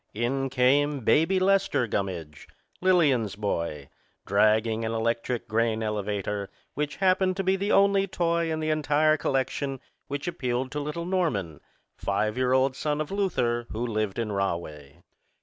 In came Baby Lester Gummidge, Lillian's boy, dragging an electric grain elevator which happened to be the only toy in the entire collection which appealed to little Norman, five year old son of Luther, who lived in Rahway.